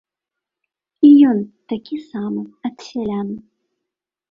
І ён такі самы, ад сялян.